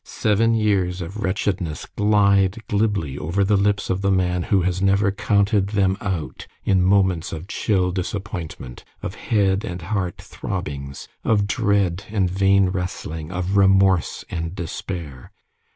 Seven years of wretchedness glide glibly over the lips of the man who has never counted them out in moments of chill disappointment, of head and heart throbbings, of dread and vain wrestling, of remorse and despair.